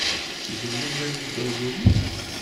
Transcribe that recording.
Ttgeɣ laman deg Dda Lmulud.